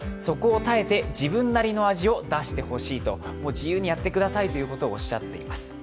自由にやってくださいとおっしゃっています。